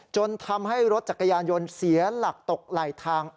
จนทำให้รถจักรยานยนต์เสียหลักตกไหลทาง